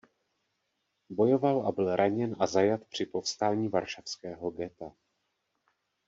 Bojoval a byl raněn a zajat při povstání varšavského ghetta.